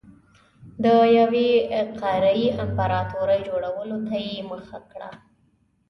د یوې قاره يي امپراتورۍ جوړولو ته یې مخه کړه.